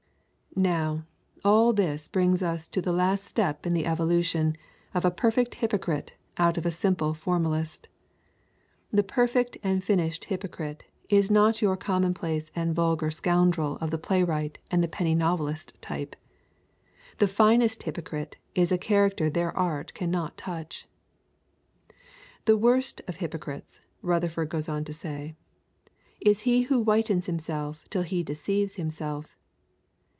Now, all this brings us to the last step in the evolution of a perfect hypocrite out of a simple formalist. The perfect and finished hypocrite is not your commonplace and vulgar scoundrel of the playwright and the penny novelist type; the finest hypocrite is a character their art cannot touch. 'The worst of hypocrites,' Rutherford goes on to say, 'is he who whitens himself till he deceives himself.